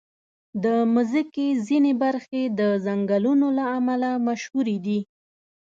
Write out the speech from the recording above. د مځکې ځینې برخې د ځنګلونو له امله مشهوري دي.